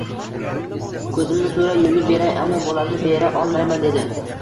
«Ko‘zimni so‘ra, yulib beray, ammo bolamni bera olmayman» dedi...